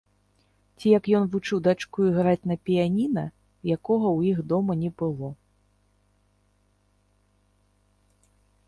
Ці як ён вучыў дачку іграць на піяніна, якога ў іх дома не было.